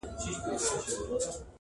ښکلي سیمي لوی ښارونه یې سور اور کړ،